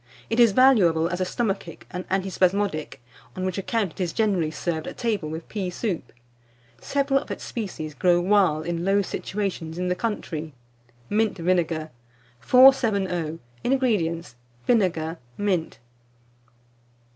It is valuable as a stomachic and antispasmodic; on which account it is generally served at table with pea soup. Several of its species grow wild in low situations in the country. MINT VINEGAR. 470. INGREDIENTS. Vinegar, mint.